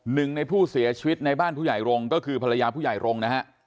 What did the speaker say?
หนึ่งในผู้เสียชีวิตในบ้านผู้ใหญ่รงค์ก็คือภรรยาผู้ใหญ่รงค์นะฮะ